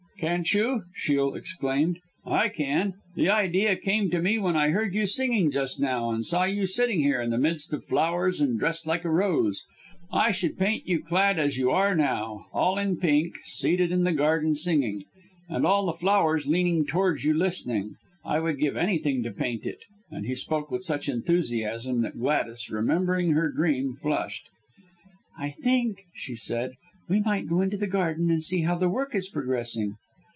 "Can't you!" Shiel exclaimed, "I can. The idea came to me when I heard you singing just now, and saw you sitting here, in the midst of flowers, and dressed like a rose. I should paint you clad as you are now all in pink seated in the garden singing; and all the flowers leaning towards you listening. I would give anything to paint it," and he spoke with such enthusiasm that Gladys, remembering her dream, flushed. "I think," she said, "we might go into the garden and see how the work is progressing."